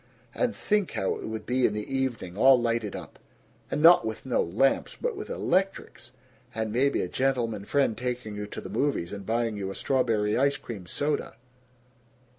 And think how it would be in the evening, all lighted up and not with no lamps, but with electrics! And maybe a gentleman friend taking you to the movies and buying you a strawberry ice cream soda!